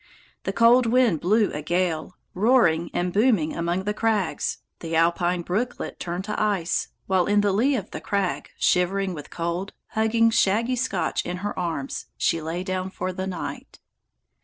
The cold wind blew a gale, roaring and booming among the crags, the alpine brooklet turned to ice, while, in the lee of the crag, shivering with cold, hugging shaggy Scotch in her arms, she lay down for the night.